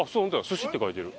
「寿し」って書いてる。